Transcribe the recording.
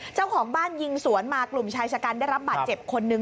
เจ้าของบ้านยิงสวนมากลุ่มชายชะกันได้รับบาดเจ็บคนนึง